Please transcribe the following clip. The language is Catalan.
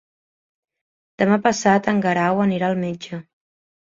Demà passat en Guerau anirà al metge.